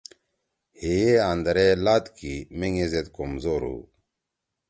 ہیے اندرے لأت کی مینگ ایذد کمزور ھو۔